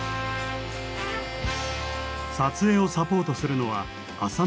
撮影をサポートするのは浅野真則さん。